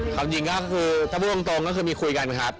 ความจริงก็คือถ้าพูดตรงก็คือมีคุยกันครับ